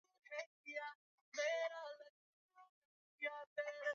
japo kwa kipindi kifupi ambapo Sultani Majid bin Said alifariki